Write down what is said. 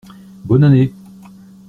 Bonne année.